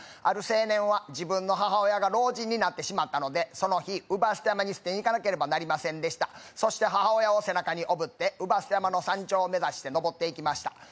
ある青年は自分の母親が老人になってしまったのでその日うば捨て山に捨てにいかなければなりませんでしたそして母親を背中におぶってうば捨て山の山頂を目指して登っていきました